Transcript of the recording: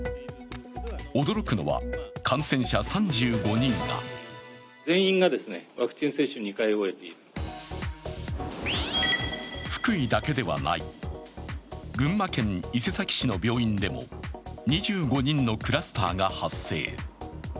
驚くのは、感染者３５人が福井だけではない、群馬県伊勢崎市の病院でも２５人のクラスターが発生。